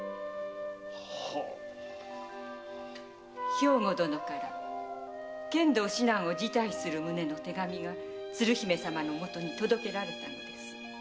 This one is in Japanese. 兵庫殿から剣道指南を辞退する旨の手紙が鶴姫様のもとに届けられたのです。